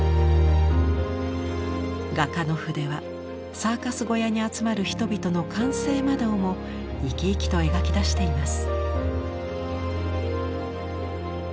画家の筆はサーカス小屋に集まる人々の歓声までをも生き生きと描き出しています。